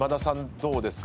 どうですか？